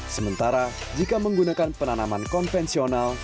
sementara jika menggunakan penanaman konvensional